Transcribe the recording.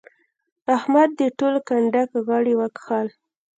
احمد د ټول کنډک غړي وکښل.